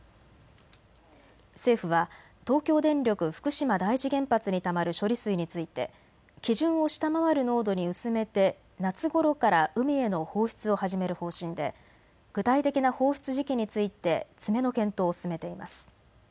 政府は東京電力福島第一原発にたまる処理水について基準を下回る濃度に薄めて夏ごろから海への放出を始める方針で具体的な放出時期について詰めの検討を進めています。